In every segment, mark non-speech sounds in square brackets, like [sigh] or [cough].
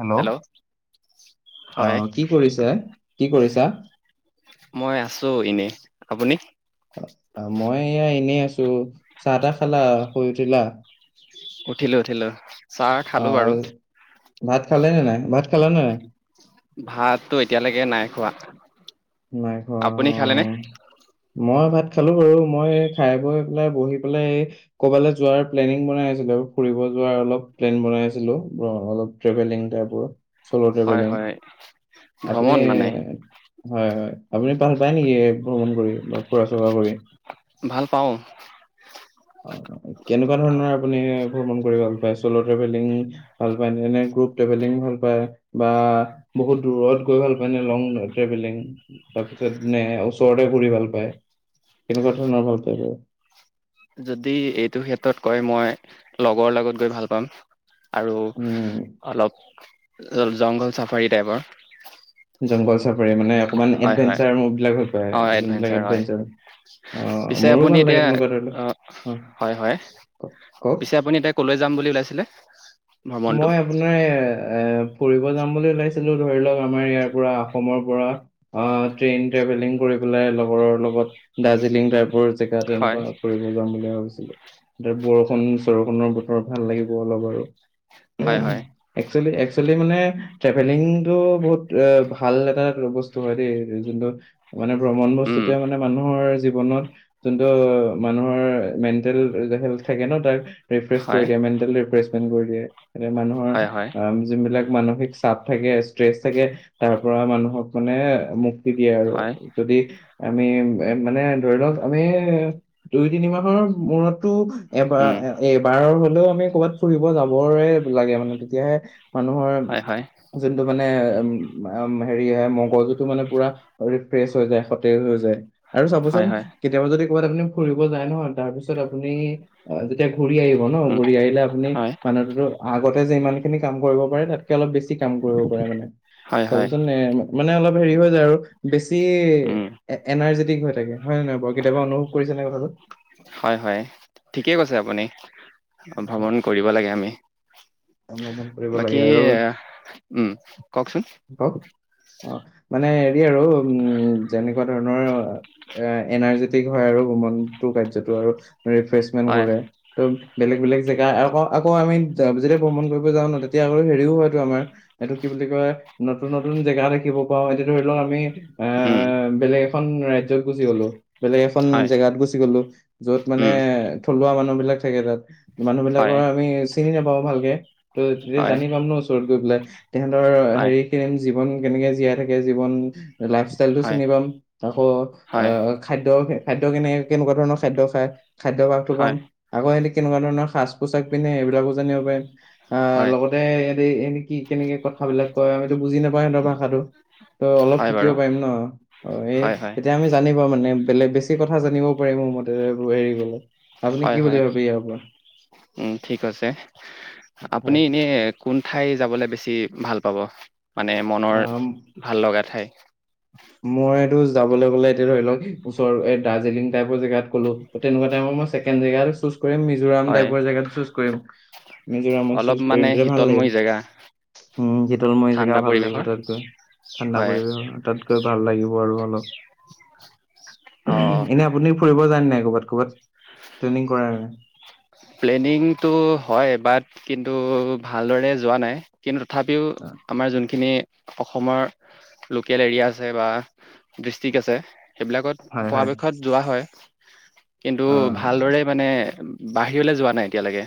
Hello অ হয় কি কৰিছে? কি কৰিছা? মই আছো এনেই আপুনি? টো চাহ তা খালা? শুই উঠিলা? উঠিলো উঠিলো। চাহ খালো বাৰু। আহ ভাত খালে নে নাই? ভাত খালা নে নাই? ভাতটো এতিয়ালৈকে নাই খোৱা নাই খোৱা আপুনি অ। খালেনে মই ভাত খালো বাৰু, মই খাই বৈ পেলাই বহি পেলাই এই ক'বালৈ যোৱাৰ প্লেনিং বনাই আছিলো ফুৰিব যোৱাৰ অলপ প্লেন বনাই আছিলো, অলপ ট্ৰেভেলিং টাইপৰ। চল' হয় ট্ৰভেেলিং। হয় আপুনি ভ্ৰমণ মানে হয় হয়, আপুনি পাহ পায় নেকি ভ্ৰমণ কৰি বাও? ফুৰা চুৰা কৰি, ভাল পাওঁ কেনেকুৱা ধৰণৰ আপুনি ভ্ৰমণ কৰি ভাল পায় শ্ললো ট্ৰেভেলিং ভাল পায় ন গ্ৰুপ ট্ৰেভেলিং ভাল পায় বা বহুত দূৰত গৈ ভাল পায় ন লং ট্ৰেভেলিং তাৰপিছত মে ওচৰতে ফুৰি ভাল পায় সেনেকুৱা ধৰণৰ ভাল আৰু যদি এইটো ক্ষেত্ৰত কয় মই লগৰ লগত গৈ ভাল পাম। আৰু উম, অলপ অলপ জংঘল চাফাৰী টাইপৰ জংঘল চাপৰে মানে অকমান হয় হয়‌ এডভেঞ্চাৰ মুভবিলাক ভাল পায়, হয় যোনবিলাক এডভেন্সাৰ হয়, এডভেঞ্চাৰ। অ', পিছে মোৰো আপুনি ভাল লাগে এতিয়া তেনেকুৱা ধৰি লওক। অ', হয় হয়, কওক, কওক। পিছে আপুনি এতিয়া কলৈ যাম বুলি উলাইছে? ছিলে মই আপোনাৰ এ ফুৰিব যাম বুলি ওলাইছিলো ধৰি লওক আমাৰ ইয়াৰ পৰা অসমৰ পৰা অ ট্ৰেইন ট্ৰেভেলিং কৰি পেলাই লগৰৰ লগত দাৰ্জিলিং তাৰ চেকা হয় তেনেকুৱা কৰিব যাম বুলি ভাবিছিলো ত বৰষুণ চৰষুনৰ বতৰ ভাল লাগিব অলপ আৰু হয় উম হয় একচোৱেলি [unintelligible] ট্ৰভেলিংটো ভাল এটা বস্ত দেই যোন্ত মানে ভ্ৰমণ উম বস্তুতোৱে মানে মানুহৰ জীৱনত যোনটো মানুহৰ মেণ্টেল [inaudible] থাকে ন তাক ৰিফ্ৰে হয় কৰি দিয় মেন্টেলৰিফ্ৰে পন গলিয়ে এ মানুহৰ হয় হয় অ' যোন বিলাক মানসিক চাপ থাকে ষ্ট্ৰেচ থাকে তাৰ পৰা মানুহক মানে মু দিয়ে আৰু হয় হয়, যদি আমি এ মানে ধৰি লওক আমি দুই তিনি মাহৰ মূৰতো এবাৰ উম এই বাৰ আমি ক'ৰবাত ফুৰিব যাবৰে লাগে মানে তেতিয়াহে মানুহৰ হয় হয় যোনটো মানে উ হেৰি হয় মগজুতটো মানে পুৰা ৰিফ্ৰেছ হৈ যায় সতেজ হৈ যায়। আৰু হয় চাবচোন হয় কেতিয়াবা যদি বাত আপুনি ফুৰিব যায় নহয় তাৰপিছত আপুনি যেতিয়া ঘূৰি আহিব ন' উম, ঘূৰি আহিলে আপুনি হয়, মানুহটোতো আগতে যে ইমান খিনি কাম কৰিব পাৰে তাত অলপ বেছি কাম কৰিব পাৰে মানে হয়, হয়, চাবচোন মানে অলপ হেৰি হৈ যায় আৰু বেছি ছি উম, এনাৰ্জি থিক হৈ থাকে হয় নহয় বাৰ কেয়াবা অনুভৱ কৰিছে নে কথাটোত। হয় হয় ঠিকেই কৈছে আপুনি। অ ভ্ৰমণ কৰিব লাগে আমি। অনুশোচন কৰিব লাগে বাকী উম কওকচোন। ক অহ। মানে। আৰু উম যেনেকুৱা ধৰণৰ। এ এনাৰ্জেটিক হয় আৰু গোমনটো কাৰ্যতটো আৰু। ৰিফ্ৰেছমেন্ট হয়, কৰে ত'। বেলেগ বেলেগ জেগা আকৌ আকৌ আমি যেতিয়া ভ্ৰমণ কৰিব যাওঁ ন তেতিয়া আকৌ হেৰিও হয়তটো আমাৰ এইটো কি বুলি কয়! নতুন নতুন জেগা দেখিব পাওঁ এতিয়া ধৰি লওক আমি। অ উম, বেলেগ। এখন ৰাজয়ত গুচি গ'লো। বেলেগ এখন হয়, জেগাত গুচি গ'লো যত মানে উম, থলুৱা মানে। বেলেগ থাকে তাত। মানুহ হয়, বিলাকৰ আমি। চিনি নাপা ভালকে। ত তেতিয়া হয়, জানি পামন ওচৰতে। [unintelligible] তেহাঁতৰ হয়, হেৰি। জীৱন কেনেকে জীয়াই থাকে জীৱন। লাইফষ্টাইল টো হয়, চিনি পাম আকৌ অ হয়, খাদ্যয়। খাদ্য কেনে কেনেকুৱা ধৰণৰ খাদ্য খায়। খাদ্যভাসটো কম হয়, আকৌ এনে। কেনেকুৱা ধৰণৰ সাজ পোছাক পিন্ধে এইবিলাকো জানিব পাৰিম। অ হয়, লগতে। এনেক কি কেনেকে কথ বিলাক কয় আমি। বুজি নাপায় সিহঁতৰ ভাষাটো ত' অলপ হয় শিকিব বাৰু পাৰিম ন অ হয়, হয়, তেতিয়া আমি জানিম। মানে বেলেগ বেছি কথা জানিবও পাৰি মোৰ মতে হেৰি গলে। আপুনি কি হয় বুলি হয় ভাবে ইয়াৰ ওপৰত উ ঠিক আছে হয় আপুনি এনে কোন ঠাই যাবলে বেছি ভাল। পাব। মানে মনৰ ভাল লগা ঠাই। মই। যাব গলে এতি ধৰি লও ওচৰ দাৰ্জিলিং টাইপৰ জোত ক'লো তেনেকোৱাই মই ছেকেণ্ড জেজ [unintelligible] কৰি মিজোৰাম হয়, টাইপৰ জেগাতো চুজ কৰিম মিজোৰামত অলপ চুজ কৰিম মানে তেতিয়া ভাল লাগিব শীতলময় জেগা উ শীতলময় জেগা ঠাণ্ডা ভাল লাগিব পৰিৱেশৰ তাত গৈ ঠাণ্ডা হয়, পৰিবেশ তাত লাগিব আৰু হল অ'। [unintelligible] এনে আপুনি ফুৰিব জানে [unintelligible] আৰু [unintelligible] প্লেনিংটো হয় বাট কিন্তু ভালদৰে যোৱা নাই কিন্তু তথাপিও আমাৰ যোনখিনি অসমৰ লোকেল এৰিয়া আছে বা ডিষ্ট্ৰিক্ আছে সেইবিলাকত হয় হয় পৰাপক্ষত যোৱা হয় কিন্তু অ ভালদৰে মানে বাহিৰলৈ যোৱা নাই এতিয়ালৈকে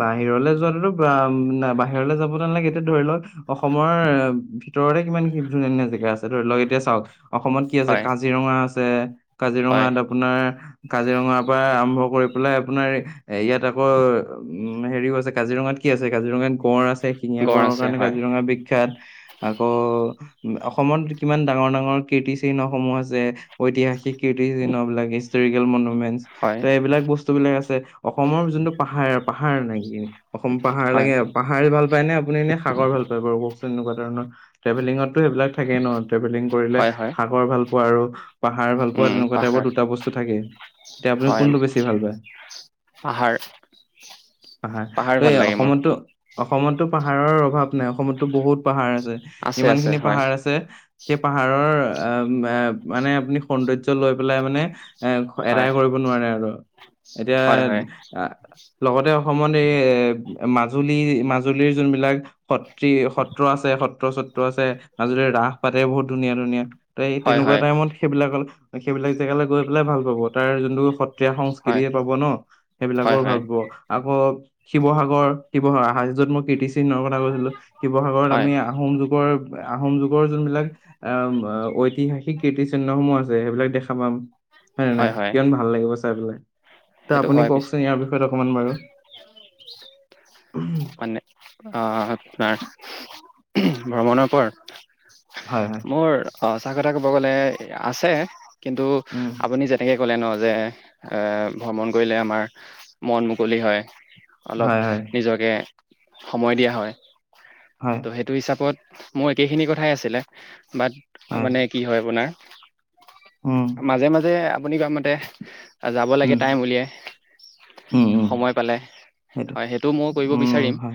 বাহিৰলৈ যোৱাটোতো বাহিৰলৈ যাব ন নালাগে এতিয়া ধৰি লওক অসমৰ ভিতৰতে কিমান ধুনীয়া ধুনীয়া জেগা আছে ধৰি লওক এতিয়া চাওক অসমত কি আছে হয় কাজিৰঙা আছে হয় কাজিৰঙাত আপোনাৰ কাজিৰঙাৰ পৰা আৰম্ভ কৰি পেলাই আপোনাৰ এ ইয়াত আকৌ উম হেৰি ক আছে কাজিৰঙাত কি আছে কাজিৰঙাত গঁড় আছে ছে শিঙীয়া গঁড় গড়ৰ আছে কাৰণে হয় কাজিৰঙা বিখ্যাত আকৌ অসমত কিমান ডাঙৰ ডাঙৰ কীৰ্তিচিহ্নসমূহ আছে ঐতিহাসিক- কেটি অব লাগিছিল [unintelligible] মুহ হয় [unintelligible] এইবিলাক বস্ত বস্তুবিলাক আছে অসমৰ যোনটো পাহাৰ পাহাৰ নাগি অসম পাহাৰ হয় লাগে পাহাৰ ভাল পায় নে আপুনি নে সাগৰ ভাল পায় বাৰু ক [unintelligible] কুৱাধৰণৰ ট্ৰেভেলিং তো হেইবিলক থকে ন ট্ৰেভেলিং কৰিলে হয় হয় সাগৰ আৰু পাহাৰ ভাল পোৱা উম তেনেকুৱা পাহাৰ টাইপৰ দুটা বস্তু থাকে এতিয়া আপুনি হয় কোনটো বেছি ভাল পায় পাহাৰ পাহাৰ ত ভাল এই লাগে মোৰ অসমতো অসমতো পাহাৰৰ অভাৱ নাই অসমতো বহুত পাহাৰ আছে আছে ইমান আছে খিনি হয় পাহাৰ আছে সেই পাহাৰৰ আহ মানে আপুনি সৌন্দৰ্য লৈ পেলাই মানে এ হয় এদায় কৰিব নোৱাৰে আৰু এতিয়া হয় হয় লগতে অসমত এই এ মাজুলী মাজুলীৰ যোনবিলাক সত ত্ৰী সত্ৰ আছে সত্ৰ সত্ৰ চত্ৰ আছে মাজুলৰে ৰাস পাতে বহুত ধুনীয়া ধুনীয়া ত এই হয় তেনেকুৱা হয় টাইমত সেইবিলাকলে সেইবিলাক জেগালৈ গৈ পেলাই ভাল পাব তাৰ যোনটো সত সত্ৰীয়া হয় সংস্কৃতিয়ে পাব ন হয় সেইবিলাকৰ ভাল হয় আকৌ শিৱসাগৰ শিৱসাগৰ আহাৰ যত মই কীৰ্তিচিহ্নৰ কথা কৈছিলো শিৱসাগৰত হয় আমি আহোম যুগৰ আহোম যুগৰ যোনবিলাক আহ ঐতিহাসিক কীৰ্তিচিহ্নসমূহ আছে সেইবিলাক দেখা পাম হয়ে নে হয় নাই হয় কিমান ভাল লাগিব চাই [unintelligible] ত সেইটো আপুনি হয় পিছে কওকচোন ইয়াৰ বিষয় মানে অ আচ্ছা ভ্ৰমণৰ পৰ- হয়, হয়। মোৰ সচা কথা ক'ব গ'লে আছে কিন্তু উম, আপুনি যেনেকে ক'লে ন যে এ ভ্ৰমণ কৰিলে আমাৰ মন মুকলি হয়। হয়, অলপ হয়, নিজকে সময় দিয়া হয়। হয়, ত' সেইটো হিচাপত মোৰ একেইখিনি কথাই আছিলে। বাট, হয়। মানে কি হয় আপোনাৰ। উম, মাজে মাজে আপ আপুনি কোৱা মতে যাব লাগে উম, টাইম উলিয়াই, উম, উম, সময় পালে, সেইটোৱে। হয় সেইটো মইও কৰিব উম, বিচাৰিম, হয়,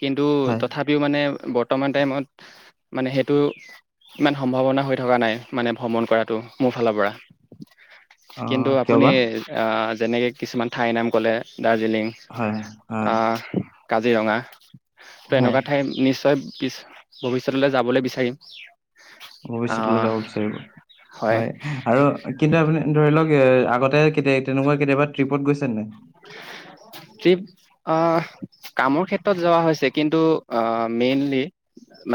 কিন্তু হয়। তথাপিও মানে বৰ্তমান টাইমত, মানে সেইটো ইমান সম্ভাৱনা হৈ থকা নাই, মানে ভ্ৰমণ কৰাটো, মোৰ ফালৰ পৰা। অ, কিন্তু কিয় আপুনি বা? আ যেনেকে কিছুমান ঠাইৰ নাম ক'লে। দাৰ্জিলিং, হয়, হয়, আ কাজিৰঙা। ত' হয়। এনেকুৱা ঠাই নিশ্চয় পিছ-ভৱিষ্যতলৈ যাবলৈ বিচাৰিম। ভৱিষ্যতলৈ আহ যাব বিচাৰিব হয় আৰু কিন্তু আপুনি ধৰি লওক এ আগতে কেতি তেনেকুৱা কেতিয়াবা ট্ৰিপত গৈছে নাই ট্ৰিপ, আহ কামৰ ক্ষেত্ৰত যোৱা হৈছে কিন্তু আহ মেইনলি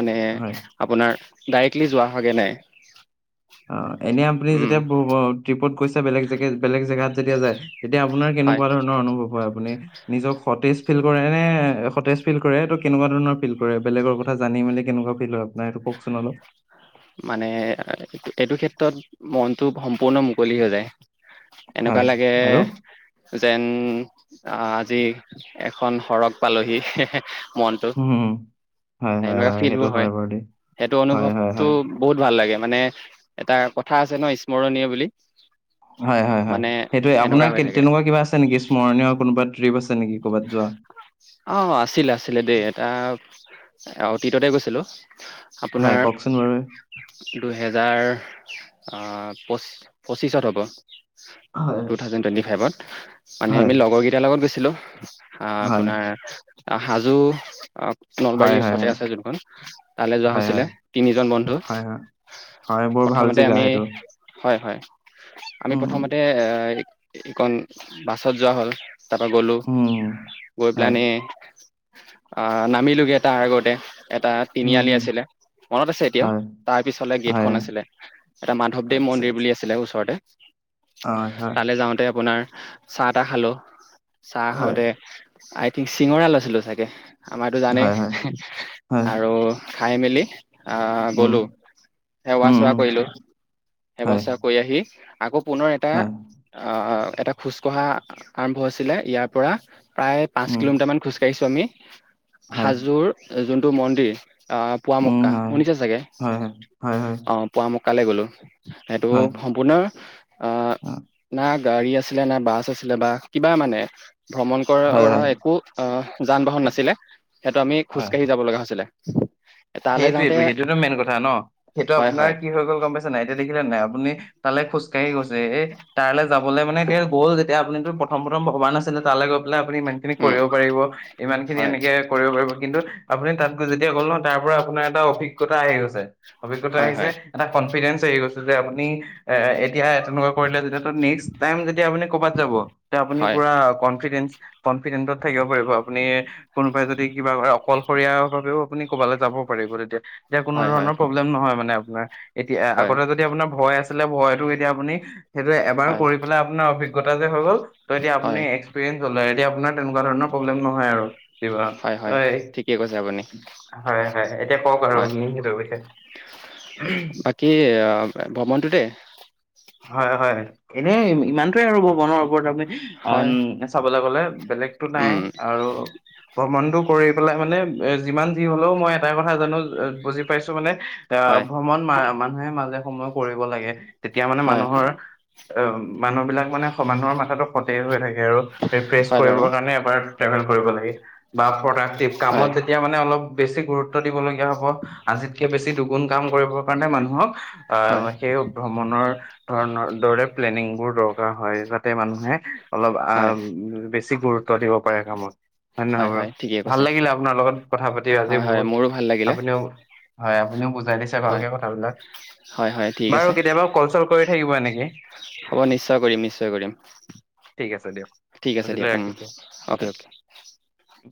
মানে হয়। আপোনাৰ ডাইক্ লি যোৱা হয়গে নাই অ এনে আপুনি উম যেতিয়া ট্ৰিপত গৈছে বেলেগ জেগে বেলেগ জেগাত যেতিয়া যায় তেতিয়া আপোনাৰ হয় কেনেকুৱা ধৰণৰ অনুভৱ হয় আপুনি নিজক সতেজ ফিল কৰে নে সতেজ ফিল কৰে তটো কেনেকুৱা ধৰণৰ ফিল কৰে, বেলেগৰ কথা জানি মেলি কেনেকুৱা ফিল হয় আপোনাৰ? এইটো কওকচোন অলপ মানে এইটো ক্ষেত্ৰত মনটো সম্পূৰ্ণ মুকলি হৈ যায়। এনেকুৱা হয় লাগে আৰু? যেন। আহ আজি এখন সৰগ পালোহি। মনটো উম হয় হয় এনেকুৱা হয় সেইটো হয় বাৰু দেই হয় হয়। তো হয়। বহুত ভাল লাগে মানে। এটা কথা আছে ন স্মৰণীয় বুলি। হয় হয় হয় মানে সেইটোয়ে আপোনাৰ সেনেকুৱা হৈ থাকে তেনেকুৱা কিবা আছে নেকি স্মৰণীয় কোনোবা ত্ৰিপ আছে। নেকি ক'ৰবাত যোৱা? অ আছিলে আছিলে দেই এটা। অ অতীততে গৈছিলো হয়, আপোনাৰ কওকচোন বাৰু? দুহেজাৰ অহ পঁচিছ অত হব। হয়, টু থাউজেণ্ড টুৱেণ্টি ফাইভত। মানে হয়, আমি লগৰেইটাৰ লগত বেছি হেল্'। [unintelligible] অ হয়। আপোনাৰ অ হাজো অ। হয়, নলবাৰীৰ হয়, ওচৰতে হয়। আছে যোনখন তালৈ যোৱা হয়, হয়। হৈছিলে তিনিজন বন্ধু হয়, হয়। হয়, বৰ ভাল প্ৰথমতে জেগা আমি সেইটো। হয় হয় আমি উম। প্ৰথমতে এ এইকন বাছত যোৱা হ'ল তাৰ পৰা গ'লো গৈ পেলানে অ নামিলোগে তাৰ আগতে এটা তিনিআলি আছিলে মনত আছে এতিয়াও তাৰ পিছলে গেটখন আছিলে এটা মাধৱদেৱ মন্দিৰ বুলি আছিলে ওচৰতে উ তালৈ যাওঁতে আপোনাৰ চাহ টা খালো চাহ খাওঁতে আই থিংক চিঙৰা লৈছিলো চাগে আমাৰতো জানেই আৰু খাই মেলি আহ গলো সেৱা চেৱা কৰিলো সেৱা চেৱা কৰি আহি আকৌ পুনৰ এটা এটা খোজকঢ়া আৰম্ভ হৈছিলে ইয়াৰ পৰা প্ৰায় পাঁচ কিলোমিটাৰ মান খোজকাঢ়িছো আমি হাজোৰ যোন ুটো মনডিৰ [unintelligible] অ পুৱ মক্কা শুনিছে চাগে অ পুৱা ম্কা কালে গ'লো [unintelligible] সেইটো সম্পূৰ্ণ অ নাক গাড়ী আছিলে না বাছ আছিলে বা কিবা মানে ভ্ৰমণ কৰা কৰা একো অ যান বাহন নাছিলে সেইটো আমি খোজকাঢ়ি যাব লগা হৈছিলে অ সেইটোয়ে সেইটোতো মেইন কথা ন সেইটো হয় আপোনাৰ হয় কি হৈ গ'ল গম পাইছো নাই এতিয়া দেখিলে নাই আপুনি তালৈ খোজকাঢ়ি গৈছে এ তালৈ যাবলৈ মানে এয়া গ'ল যেতিয়া আপুনিতো প্ৰথম প্ৰথম ভবা নাছিলে তালৈ গৈ আপুনি ইমান খিনি উম কৰিব পাৰিব ইমান খিনি হয় এনেকে কৰিব পাৰিব কিন্তু আপুনি তাত গ যেতিয়া গ'ল আপোনাৰ এটা অভিজ্ঞতা আহি গৈছে অভিজ্ঞতা হয় আহি হয় এটা কনফিডেন্ঞ্চ আহি গৈছে আপুনি এ এতিয়া তেনেকুৱা কৰিলে যেতিয়া নেক্স টাইম যেতিয়া আপুনি ক'ৰবাত যাব তে আপুনি হয় পুৰা কনফিডেন্ঞ্চ কনফিডেন্ত থাকিব পাৰিব আপুনি কোনোবাই যদি কিবা কৰে অকলশৰীয়া বাবেও ক'বালৈ যাব পাৰিব তেতিয়া যেতিয়াকোনো হয় হয় ধৰণৰ প্ৰব্লেম নহয় মানে ৱা এতিয়া হয় আগতে যদি আপোনাৰ ভয় আছিলে ভয়। টো এতিয়া আপুনি। সেইটো এবাৰ হয় কৰি পেলাই আপোনাৰ অভিজ্ঞ- গোটা যে হৈ গ'ল। ত এতিয়া আপুনি হয় এক্সপৰিেঞ্চ ল'লে। এতিয়া আপোনাৰ- তেনেকুৱা ধৰণৰ প্ৰব্লেম নহয় আৰু কিবা হয় হয় তাই ঠিকেই কৈছে আপুনি হয় বাকী ভ্ৰমণটো দে। হয় হয় এনে ইমান। আৰু ভ্ৰমণৰ ওপৰত আপুনি হয় চাবলে গ'লে বেলেগতটো নাই উম আৰু ভ্ৰমণটো। কৰি পেলাই মানে এ যিমান যি হলেও মই এটা কথা জানো বুজি পাইছো মানে অ হয় ভ্ৰমণ মা মান হে মাজে সময় কৰিব লাগে। তেতিয়া মানে হয় মানুহৰ অ মানুহ বিলাক মানে সমানৰ মাথাতটো সতে হৈ থাকে। আৰু ৰিফ্ৰেছ হয় বাৰু কৰিবৰ কাৰণে এবাৰ ট্ৰেভেল কৰিব লাগে বা প্ৰডাক্টিভ হয় কামত যেতিয়া মানে অলপ। বেছি গুৰুত্ব দিব লাগে। হ'ব আজিতকে বেছি দুখ। গোন কাম কৰিবৰ কাৰণে মানুহক অ হয় সেই ওপৰত ভ্ৰমণৰ ধৰণৰ দৰে প্লেনিং বোৰ দৰকাৰ হয় যাতে মানুহে অলপ আ হয় বেছ ছিপুৰ চ দিব পাৰে কামত হয় নহয় বাৰু? ভাল লাগিলে আপোনাৰ লগত কথা পাতি। আজি হয় হয় বহুত মোৰো ভাল লাগিলে। আপুনিও হয় আপুনিও বুজ লাগিছে হয় ভালকে কথাবিলাক হয় হয় ঠিক বাৰু আছে কেতিয়াবা কল চল কৰি থাকিবা নেকি? হ'ব নিশ্চয় কৰিম নিশ্চয় কৰিম ঠিক আছে দিয়ক ঠিক আছে আজিলৈ দিয়ক ৰাখিছোঁ। Okay okay.